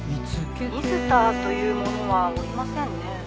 水田という者はおりませんね